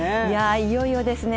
いよいよですね